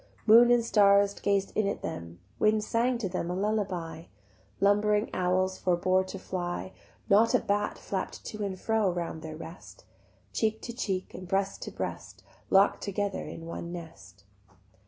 Moon and stars gaz'd in at them, Wind sang to them lullaby, Lumbering owls forbore to fly, Not a bat flapp'd to and fro Round their rest: Cheek to cheek and breast to breast Lock'd together in one nest.